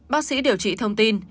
bác sĩ điều trị thông tin